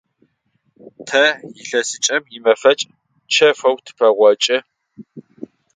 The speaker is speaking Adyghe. Тэ илъэсыкӏэм имэфэкӏ чэфэу тыпэгъокӏы.